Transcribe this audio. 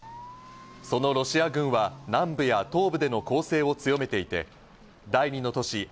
そのロシア軍は南部や東部での攻勢を強めていて、第２の都市